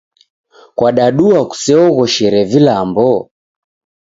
Kwadadua kuseoghoshere vilambo?